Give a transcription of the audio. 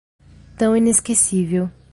Tão inesquecível